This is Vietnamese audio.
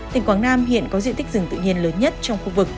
tỉnh quảng nam hiện có diện tích rừng tự nhiên lớn nhất trong khu vực